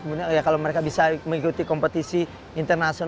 kemudian ya kalau mereka bisa mengikuti kompetisi internasional